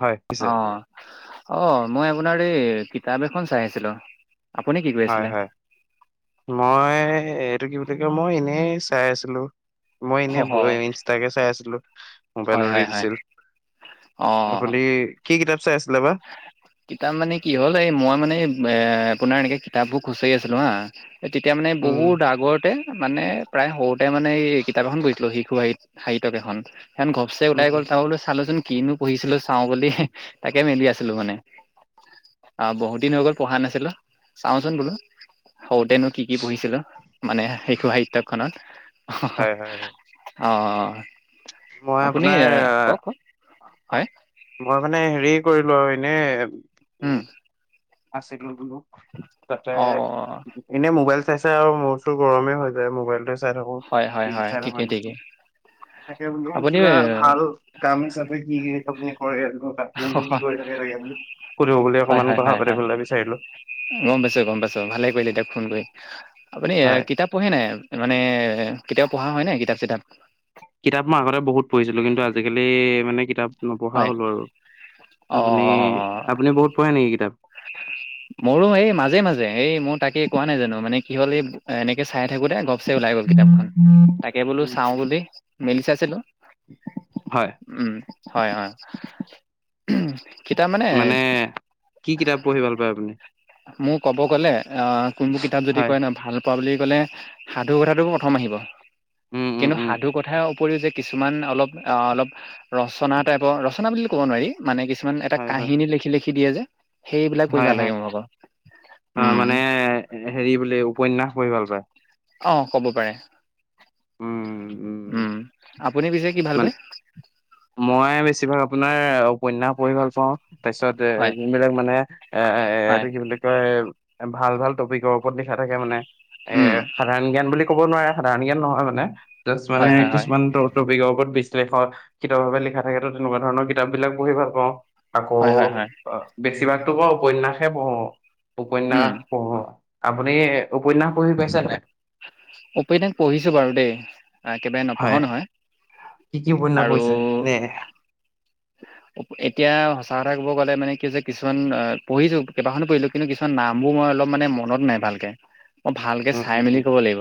হয়। পিছে অ', অ' মই আপোনাৰ এই কিতাপ এখন চাই আছিলোঁ। আপুনি কি কৰি হয় আছিলে? হয়, মই এইটো কি বুলি কয় মই এনেই চাই আছিলোঁ। মই এনেই ব ইনষ্টাকে চাই আছিলোঁ। মোবাইলৰ হয়, হয়, ৰিল হয়। চিল। অ', আপুনি কি কিতাপ চাই আছিলে বা। কিতাপ মানে কি হ'ল এই মই মানে এ, আপোনাৰ এনেকে কিতাপবোৰ খুচৰি আছিলোঁ হা তেতিয়া মানে উম বহুত আগৰতে মানে প্ৰায় সৰুতে এই কিতাপ এখন পঢ়িছিলোঁ শিশু সাহিত এখন, সেইখন ঘ চে ওলাই উম গ'ল তাৰ বোলো চালোচোন কিনো পঢ়িছিলো চাওঁ বুলি তাকে মেলি আছিলোঁ মানে। আৰু বহুত দিন হৈ গ'ল পঢ়া নাছিলোঁ, চাওচোন বোলো। সৰুতেনো কি কি পঢ়িছিলো মানে শিশু হয় হয় হয় সাহিত্যখনত। অ'। মই আপুনি আপোনাৰ কওক, কওক। অ' হয়, মই মানে হেৰি কৰিলোঁ আৰু এনে উম। আছিলোঁ বোলো তাতে অ', অ', এনেই মোবাইল চাইছে আৰু মোৰ চো গৰমে হৈ যায় মোবাইলটো হয়, হয়, টিভি হয়, চাই ঠিকেই, থাকোঁ ঠিকেই। তাকে বুলো আপুনি কিবা এ, ভাল কাম হিচাপে কি কি আপুনি কৰে অকমান কথা [unintelligible] সুধিব বুলি হয়, অকমান হয়, কথা গৈ হয়, থাকোঁতে হয়, বিচাৰিলোঁ। গম পাইছোঁ গম পাইছোঁ, ভালে কৰিলে এতিয়া ফোন কৰি, আপুনি হয় কিতাপ পঢ়ে নাই মানে কেতিয়াবা পঢ়া হয় নাই কিতাপ চিতাপ? কিতাপ মই আগতে বহুত পঢ়িছিলোঁ কিন্তু আজিকালি মানে কিতাপ নপঢ়া হয়, হ'লো আৰু। অ', আপুনি অ', আপুনি বহুত পঢ়ে নেকি কিতাপ? মোৰো এই মাজে মাজে এই মোৰ তাকে কোৱা নাই জানো মানে কি হ'ল এই এনেকে চাই থাকোঁতে ঘপ চে ওলাই গ'ল কিতাপখন তাকে বোলো চাওঁ উম বুলি, মেলি চাইছিলোঁ। হয়। উম, হয় হয়। কিতাপ মানে কি কিতাপ পঢ়ি ভাল পায় আপুনি? মোৰ ক'ব গ'লে আ, কোনবোৰ কিতাপ যদি হয় কয় ন' ভাল কোৱা বুলি ক'লে সাধু কথাটো প্ৰথম আহিব উম উম কিন্তু উম সাধু কথা উপৰিও যে কিছুমান অলপ আ, অলপ ৰচনা টাইপৰ ৰচনা বুলিও ক'ব নোৱাৰি মানে কিছুমান এটা হয় হয় কাহিনী লিখি লিখি দিয়ে যে সেইবিলাক পঢ়ি হয় ভাল হয় লাগে মোৰ আকৌ। অ' মানে হেৰি বোলে উপন্যয়াস পঢ়ি ভাল পায়। অ' ক'ব পাৰে। উম। উম, আপুনি পিছে কি ভাল মান, পায় মই বেছিভাগ আপোনাৰ উপন্যাস পঢ়ি ভাল পাওঁ তাৰপিছত হয় যোনবিলাক মানে এ, হয় এইটো কি বুলি কয় ভাল ভাল টপিকৰ ওপৰত লিখা থাকে মানে এ উম সাধাৰণ জ্ঞান বুলি ক'ব নোৱাৰে, সাধাৰণ জ্ঞান নহয় মানে জাষ্ট মানে হয় হয় হয় কিছুমান ট-টপিকৰ বহুত বিশ্লেষত, খিতভাৱে লিখা থাকে তো তেনেকুৱা ধৰণৰ কিতাপ বিলাক পঢ়ি ভাল পাওঁ। আকৌ, হয় হয় হয় বেছিভাগতো ক উপন্যাসহে পঢ়ো। উম উপন্যাস পঢ়ো। আপুনি উপন্যাস পঢ়ি পাইছে নাই? উপন্যাস পঢ়িছো বাৰু দেই, একবাৰে হয়। নপঢ়াও নহয়। কি কি উপন্যাস আৰু পঢ়িছে? নে এতিয়া সঁচা কথা কব গ'লে মানে কি হৈছে কিছুমান অ পঢ়িছো, কেইবাখনো পঢ়িলো। কিন্তু কিছুমান নামবোৰ মই অলপ মানে মনত নাই ভালকে। মই ভালকে উম চাই উম মেলি উম ক'ব লাগিব,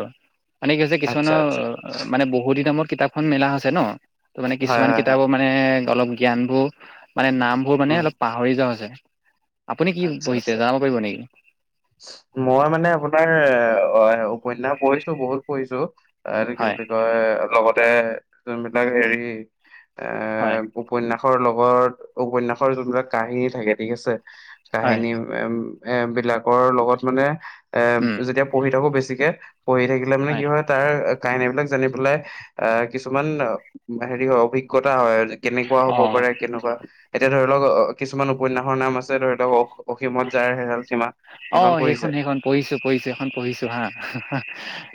মানে কি হৈছে আচ্ছা কিছুমানৰ আচ্ছা মানে বহু দিনৰ মোৰত কিতাপ খন মেলা হৈছে ন, ত মানে হয় কিছুমান হয় হয় কিতাপৰ মানে অলপ জ্ঞানবোৰ মানে নাম বোৰ ৰ উম। মানে অলপ পাহৰি যা হৈছে। আপুনি কি আচ্ছা পঢ়িছে, আচ্ছা জনাব পাৰিব নেকি? মই মানে আপোনাৰ এ্ উপন্যাস পঢ়িছো বহুত পঢ়িছো, এটো কি হয় বুলি কয় কয় লগতে যোনবিলাক হেৰি হয় উপন্যাসৰ লগত, উপন্যাসৰ যোনবিলাক কাহিনী থাকে ঠিক আছে, হয় কাহিনী এম এ বিলাকৰ লগত মানে এ উম যেতিয়া পঢ়ি থাকো বেছিকে পঢ়ি থাকিলে মানে কি হয় তাৰ কাহিনীবিলাক জানি পেলাই এ কিছুমান হেৰি হয় অভিজ্ঞতা হয় কেনেকুৱা অ হ'ব পাৰে কেনেকৱা এতিয়া ধৰি লওক অ কিছুমান উপন্যাসৰ নাম আছে ধৰি লওক অ অসীমত যাৰ হেৰাল সীমা অ' সেইখন সেইখন পঢ়িছো পঢ়িছো সেইখন পঢ়িছো হা,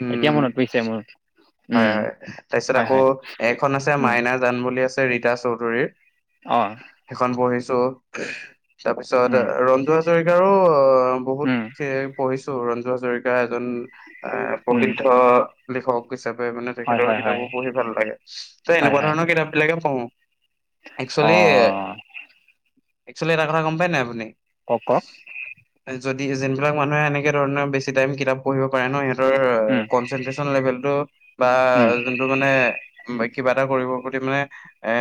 উম, এতিয়া মনত পৰিছে মোৰ। উম হয় হয়, তাইছত হয় আকৌ হয় এইখন আছে উম মাইনা জান বুলি আছে ৰীতা চৌধুৰীৰ। অঁ। সেইখন পঢ়িছো। তাৰ পিছত উম ৰঞ্জু হাজৰিকাৰো উম বহুত সে পঢ়িছো ৰঞ্জু হাজৰিকা এজন এ উম প্ৰসিদ্ধ লিখক। হিচাপে মানে হয় তেখেতৰ হয় হয় কিতাপো পঢ়ি ভাল লাগে। ত হয় এনেকুৱা হয় ধৰণৰ কিতাপ বিলাকে পঢ়ো। অ একচলি, একচলি এটা কথা গম পাই নাই আপুনি? কওক কক। যদি যেনবিলাক মানুহে এনেকে ধৰণে বেছি টাইম কিতাপ পঢ়িব পাৰে ন সিহঁতৰ উম কনচেনট্ৰেচন লেভেল টো বা উম যোনটো মানে কিবা এটা কৰিবৰ প্ৰতি মানে এ্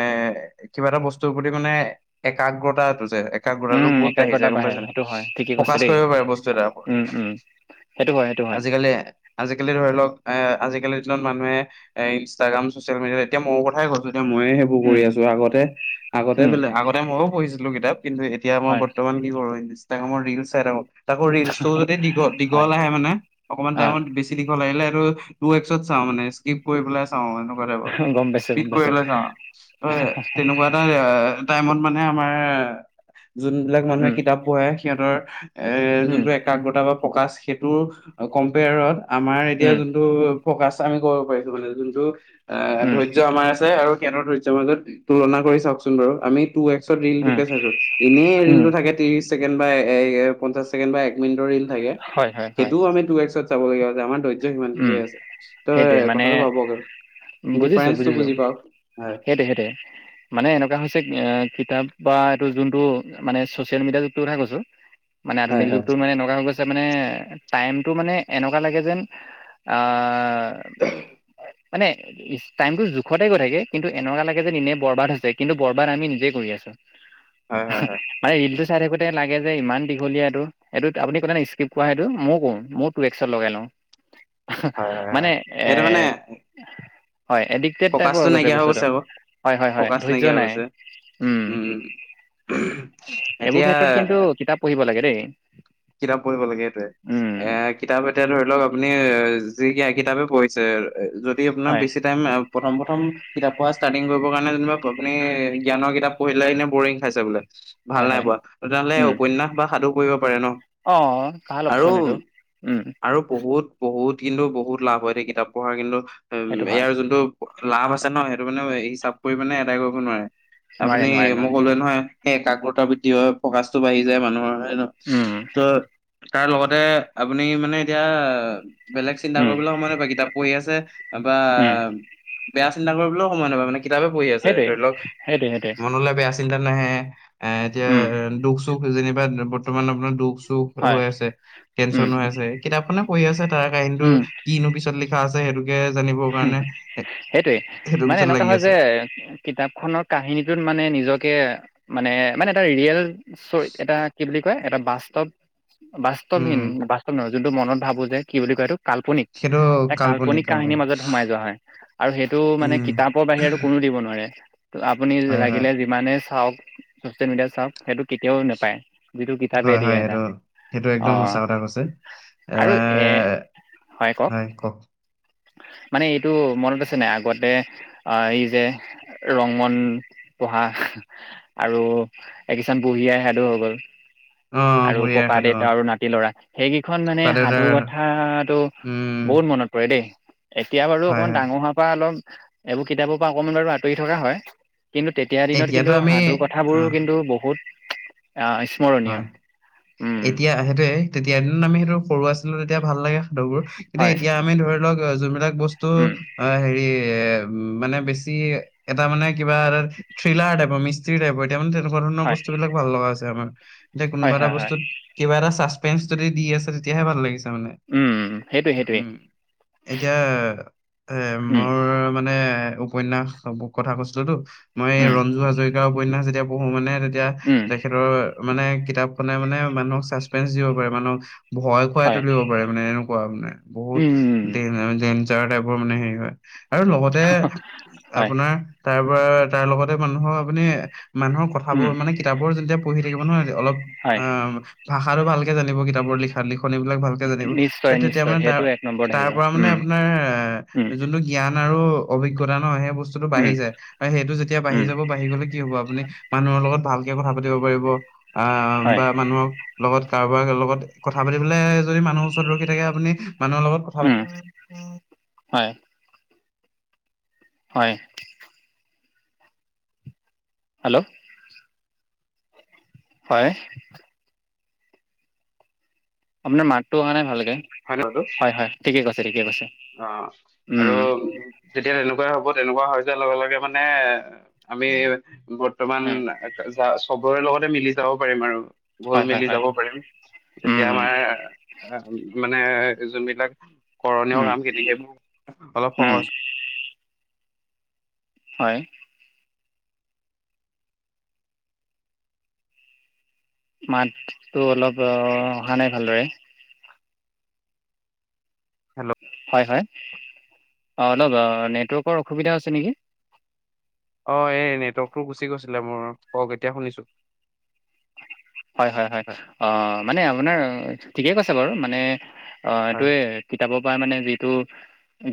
কিবা এটা বস্তুৰ প্ৰতি মানে একাগ্ৰতাটো যে একাগ্ৰতাটো উম বহুত বাঢ়ি একাগ্ৰতা যায় গম বাঢ়ে পাইছা সেইটো নাই। হয় ঠিকে কৈছে ফকাচ দেই কৰিব পাৰে বস্তু এটাৰ উম ওপৰত। উম সেইটো হয় সেইটো হয়। আজিকালি ধৰি লওক এ আজিকালিৰ দিনত মানুহে এ ইনষ্টাগ্ৰাম, চচিয়েল মিডিয়াত এতিয়া মওঁ কথাই কৈছোঁ ময়ে সেইবোৰ কৰি আছো আগতে, আগতে বেলেগ আগতে ময়ো পঢ়িছিলো কিতাপ কিন্তু এত তিয়া মই বৰ্তমান কি কৰো ইনষ্টাগ্ৰামৰ ৰিল চাই থাকোঁ। তাকো ৰিলছটোও যদি দীঘ-দীঘল আহে মানে, অকমান টাইমত বেছি দীঘল আহিলে এইটো টু এ ক্সত যাওঁ মানে স্কিপ কৰি পেলাই চাওঁ এনো। হোৱাটএভাৰ, পাইছোঁ, স্পীড গম কৰি পাইছোঁ। পেলাই চাও, ত তেনেকুৱা এটা টাইমত মানে আমাৰ যোনবিলাক মানুহে উম, কিতাপ পঢ়ে সিহঁতৰ এ উম, যোনটো একাগ্ৰতা বা ফকাচ সেইটোৰ কম্পেয়াৰত আমাৰ এতিয়া উম, যোনটো ফকাচ আমি কৰিব পাৰিছো মানে যোনটো এ্ উম, ধৈৰ্য্য আমাৰ আছে আৰু সিহতৰ ধৈৰ্য্যৰ মাজত তুলনা কৰি চাওকচোন বাৰু আমি টু এক্সত ৰিল উম, টোকে চাইছো, এনেই উম, ৰিলটো থাকে ত্ৰিশ ছেকেণ্ড বা পঞ্চাশ ছেকেণ্ড বা এক মিনিটৰ ৰীল থাকে, হয়, হয়, হয়। সেইটোও আমি টু এক্সত চাবলগীয়া হৈছে আমাৰ ধৈৰ্য উম, সিমানটোৱে আছে। ত সেইটোৱে মানে কথাটো ভাবক! বুজিছোঁ, ডিফাৰেন্সটো বুজিছোঁ। বুজি পাওঁক। হয়। [unintelligible] মানে এনেকুৱা হৈছে কিতাপ বা এইটো যোনটো মানে চচিয়েল মিডিয়া যোগটো কথাই কৈছো। মানে হয় আধুনিক হয় যুগতো মানে এনেকুৱা হৈ গৈছে মানে টাইমটো মানে এনেকুৱা লাগে যেন আ মানে ই টাইম টো জোখতে গৈ থাকে কিন্তু এনেকুৱা লাগে যেন ইনে বৰবাদ হৈছে কিন্তু বৰবাদ আমি নিজে কৰি আছো। [unintelligible] হয়, হয়, হয়। [unintelligible] ৰীলটো চাই থাকোতে লাগে যে ইমান দীঘলীয়া এইটো। এইটোত আপুনি কলেনে স্কিপ কৰা হেইটো মইও কওঁ মোৰ টু এক্সত লগাই লওঁ। হয় হয় মানে হয় এইটো মানে এ' হয় এদিক টেপ টাইপৰ ফকাচটো হৈ গৈছে নাইকিয়া বস্তুটো আকৌ হয় হয় হয় ফকাচ ধৈৰ্য্য নাইকিয়া হৈ নাই গৈছে উম, এইবোৰ এতিয়া ক্ষেত্ৰত কিন্তু কিতাপ পঢ়িব লাগে দেই। কিতাপ পঢ়িব লাগে হেইটুৱে উম এ কিতাপ এতিয়া ধৰি লওঁক আপুনি যি কি কিতাপে পঢ়িছে যদি আপোনাৰ হয় বেছি প্ৰথম প্ৰথম কিতাপ পঢ়া ষ্টাৰ্টিং কৰিব কাৰণে যেনিবা আপুনি জ্ঞানৰ কিতাপ পঢ়িলৈ কিনে বৰিং খাইছে বোলে ভাল হয় নাই হয় পোৱা তেতিয়াহলে উম উপন্যাস বা সাধু পঢ়িব পাৰে ন? অ', ভাল আৰু অপচন এইটো শুন উম আৰু বহুত বহুত কিন্তু বহুত লাভ হয় দেই কিতাপ পঢ়াৰ কিন্তু সেইটো হয় ইয়াৰ যোনটো লাভ আছে নহ সেইটো মানে হিচাপ কৰি মানে এদাই কৰিব নোৱাৰে নোৱাৰে আপুনি নোৱাৰে মই নোৱাৰে কলোৱে নহয়। সেই একাগ্ৰতা বৃদ্ধি হয় ফকাচটো বাঢ়ি যায় মানুহৰ হয় ন উম, ত তাৰ লগতে আপুনি মানে এতিয়া বেলেগ চিন্তা উম কৰিবলৈ সময় নাপাই কিতাপ পঢ়ি আছে বা উম বেয়া চিন্তা কৰিবলৈও সময় নাপায় মানে কিতাপে পঢ়ি আছে সেইটোৱে ধৰি লওক সেইটোৱে সেইটোৱে মনলৈ বেয়া চিন্তা নাহে এ এতিয়া উম দুখ চুখ যেনিবা বৰ্তমান আপোনাৰ দুখ দুখ হয় হৈ আছে উম তেনচন হৈ আছে কিতাপখনে পঢ়ি আছে তাৰ কাহিনীটো উম কিনো পিছত লি খা আছে সেইটোকে জানিবৰ কাৰণে এ সেইটো পিছত লাগি আছে। [unintelligible] কিতাপ খনৰ কাহিনীটোত মানে নিজকে মানে মানে এটা ৰিয়েল চৰি এটা কি বুলি কয় এটা বাস্তৱ বাস্তৱহীন উম বাস্তৱ নহয় যোনটো মনত ভাবো যে কি বুলি কয় সেইটোক? কাল্পনিক এক কাল্পনিক কাহিনীৰ মাজত সোমাই যোৱা হয় আৰু সেইটো মানে উম কিতাপৰ বাহিৰে কোনো দিব নোৱাৰে আপুনি হয় হয় লাগিলে মানে চাওক চচিয়েল মিডিয়াত চাওক সেইটো কেতিয়াও নেপায়। হয়, হয়। সেইটো সেইটো অ একদম সচা কথা কৈছে এ হয়, কওক। মানে এইটো মনত আছে নাই আগতে আ এই যে ৰংমন পঢ়া আৰু এই কিছান বুঢ়ী আইৰ সাধু হৈ গ'ল। অ আৰু বুঢ়ী আইৰ ককা সাধু অ দেউতা আৰু নাতি লৰা সেইকেইখন ককা মানে দেউতাৰ সাধু কথাটো উম বহুত মনত পৰে দেই। এতিয়া বাৰু হয় অকমান হয় ডাঙৰ হোৱাৰ পৰা অলপ এইবোৰ কিতাপৰ পৰা অকমান বাৰু আঁতৰি থকা হয়। কিন্তু তেতিয়া দিনত কিন্তু এতিয়াতো আমি সাধু অ কথাবোৰো কিন্তু বহুত আহ [unintelligible] হয়, উম এতিয়া সেইটোয়ে তেতিয়াদিনত আমি সেইটো সৰু আছিলো তেতিয়া ভাল লাগে সাধুবোৰ কিন্তু এতিয়া হয় এতিয়া আমি ধৰি লওক যোনবিলাক বস্তু উম অ' হেৰি মানে বেছি এটা মানে কিবা এ থ্ৰিলাৰ টাইপৰ মি স্ট্ৰী টাইপৰ, এতিয়া মানে তেনেকুৱা ধৰণৰ হয় বস্তুবিলাক ভাল লগা হৈছে আমাৰ। এতিয়া হয় কোনোবা এটা হয় হয় বস্তুত কিবা এটা চাচপেন্ঞ্চ যদি দি আছে, তেতিয়াহে ভাল লাগিছে মানে। উম, সেইটোৱে সেইটোৱে। উম এতিয়া এ উম মোৰ মানে উপ উপন্যাস কথা কৈছিলোটো, মই এই উম ৰঞ্জু হাজৰিকাৰ উপন্যাস যেতিয়া পঢ়ো মানে তেতিয়া উম তেখে খেতৰ মানে কিতাপখনে মানে মানুহক চাচপেন্ঞ্চ দিব পাৰে। মানুহক ভয় খুৱাই হয় তুলিব পাৰে মানে এনেকুৱা মানে বহুত উম দে দেঞ্জাৰ টাইপৰ মানে হেৰি হয় আৰু লগতে হয় আপোনাৰ তাৰ পৰা তাৰ লগতে মানুহৰ আপুনি মানুহৰ উম কথাবোৰ মানে কিতাপবোৰ যেতিয়া পঢ়ি থাকিব নহয়, অলপ হয় অ' ভাষাটো ভালকে জানিব কিতাপৰ লি লিখনীবিলাক ভালকে জানিব ত' নিশ্চয় তেতিয়া নিশ্চয় মানে তাৰ সেইটো এক নম্বৰত তাৰ আহিব পৰা মানে উম আপোনাৰ উম যোনটো জ্ঞান আৰু অভিজ্ঞতা ন, সেই বস্তুটো বাঢ়ি উম যায়। সেইটো যেতিয়া বাঢ়ি উম যাব বাঢ়ি গলে কি হব আপুনি মানুহৰ লগত ভালকে কথা পাতিব পাৰিব। আ' হয় বা মানুহক লগত কাৰোবাৰ লগত কথা পাতিবলে যদি মানুহৰ ওচৰত ৰখি থাকে আপুনি মানুহৰ লগত। কথা পাতি- উম হয়। হয়। হেল্ল'! হয়। আপোনাৰ মাতটো অহা নাই ভালকে। [unintelligible] অ' হয় হয় ঠিকে কৈছে ঠিকে কৈছে আৰু উম তেতিয়া তেনেকুৱাই হ'ব, তেনেকুৱা হৈ যোৱা লগে লগে মানে আমি বৰ্তমান উম চবৰে লগতে মিলি যাব পাৰিম আৰু। ঘোল হয় হয় মেলি হয় যাব পাৰিম তেতিয়া উম আমাৰ মানে যোনবিলাক কৰণীয় উম কামখিনি সেইবোৰ অলপ উম সহজ হয়। মাতটো অলপ অহা নাই ভালদৰে। হেল্ল' হয় হয়, অ' অলপ নেটৱৰ্কৰ অসুবিধা হৈছে নেকি? অ' এই নেটৱৰ্কটো গুচি গৈছিলে মোৰ, কওক এতিয়া শুনিছো। হয় হয় হয়, অ' মানে আপোনাৰ ঠিকেই কৈছে বাৰু! মানে অ' হয় এইটোৱে কিতাপৰ পৰা মানে যিটো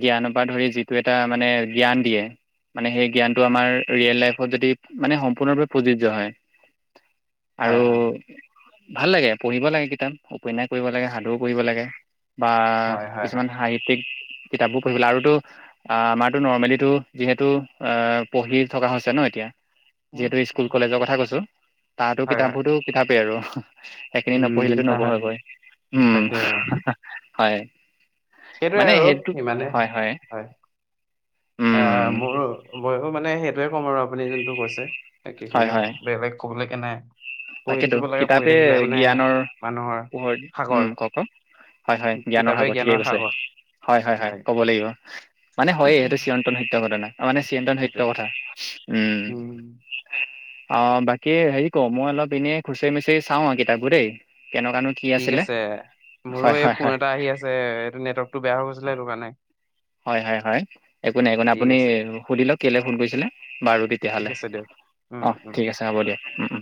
জ্ঞানৰ পৰা ধৰি যিটো এটা মানে জ্ঞান দিয়ে। মানে সেই জ্ঞানটো আমাৰ ৰিয়েল লাইফত যদি মানে সম্পূৰ্ণৰূপে প্ৰযোজ্য হয়। আৰু হয় ভাল লাগে পঢ়িব লাগে কিতাপ, উপন্যাস পঢ়িব লাগে সাধুও পঢ়িব লাগে। বা হয় হয় হয় কিছুমান সাহিত্যিক কিতাপো পঢ়িব লাগে। আৰুতো অ' আমাৰতো নৰ্মেলিটো যিহেতু অ' পঢ়ি থকা হৈছে ন এতিয়া। উম, যিহেতু উম, উম। স্কুল-কলেজৰ কথা কৈছো, তাতো হয় হয় কিতাপবোৰতো কিতাপেই আৰু। সেইখিনি উম নপঢ়িলেতো তাহ- নবহে গৈ, উম তাকে হয়। সেইটোৱে মানে আৰু সেইটো ইমানে হয় হয়। উম আহ' মোৰ ময়ো মানে সেইটোয়ে কম আৰু আপুনি যোনটো কৈছে। হয় একেইখিনিয়ে হয় কম বেলেগ কবলৈকে নাই। পঢ়ি তাকেতো থাকিব লাগে পঢ়ি কিতাপে থাকিলে মানে জ্ঞানৰ মানুহৰ পোহৰ। সাগৰ উম, কওঁক কওঁক। হয় হয় জ্ঞানৰ কিতাপে সাগৰ! ঠিকে কৈছে। সাগৰ হয় হয় হয়, ক'ব লাগিব মানে হয়েই এইটো চিৰন্তন সত্য ঘটনা। মানে চিৰন্তন সত্য সেইটোৱে কথা উম অ বাকী হেৰি কও মই অলপ এনেই খুচৰি মুচৰি চাও আৰু কিতাপবোৰ দেই, কেনেকোৱানো ঠিক আছে মোৰো এই ফোন এটা আহি আছে এইটো নেটৱৰ্কটো বেয়া হৈ গৈছিলে এইটো কাৰণে। হয় হয় হয়, একো নাই একো নাই ঠিক আপুনি আছে সুধি লওক কেলে ফোন কৰিছিলে, বাৰু ঠিক তেতিয়াহ'লে। আছে দিয়ক অ উম উম ঠিক আছে হ'ব দিয়া, উম উম।